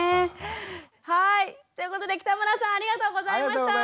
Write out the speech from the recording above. はいということで北村さんありがとうございました！